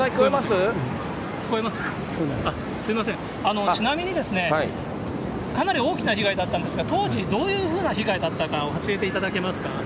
すみません、ちなみにですね、かなり大きな被害だったんですが、当時どういうふうに被害だったのか、教えていただけますか？